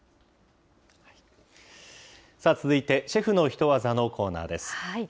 さあ、続いてシェフのヒトワザのコーナーです。